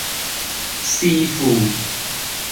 視乎